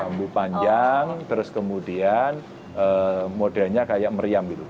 bambu panjang terus kemudian modanya kayak meriam gitu